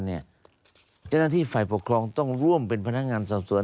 เจ้าหน้าที่ฝ่ายปกครองต้องร่วมเป็นพนักงานสอบสวน